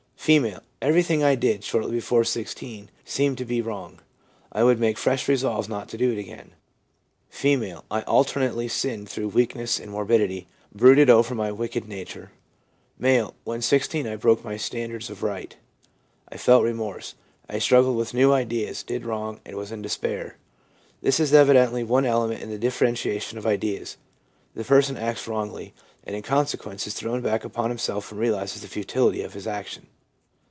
F. ' Everything I did (shortly before 16) seemed to be wrong. I would make fresh resolves not to do it again/ F. ' I alternately sinned through weakness and morbidly brooded over my wicked nature.' M. ' When 16 I broke my standards of right. I felt remorse. I struggled with new ideas, did wrong, and was in despair/ This is evidently one element in the differentiation of ideals : the person acts wrongly, and in consequence is thrown back upon himself and realises the futility of his action.